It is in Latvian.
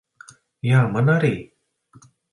Jā, man arī.